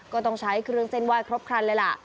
ก็ต้องใช้เครื่องเส้นไหว้ครบครันเลยล่ะ